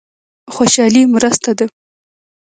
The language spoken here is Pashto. خوشالي مرسته ده.